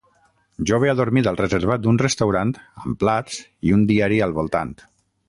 jove adormit al reservat d'un restaurant amb plats i un diari al voltant.